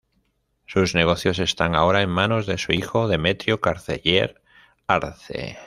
Sus negocios están ahora en manos de su hijo, Demetrio Carceller Arce.